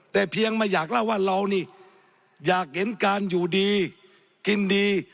แต่เพียงไม่อยากเล่าว่าเรานี่อยากเห็นการอยู่ดีกินดี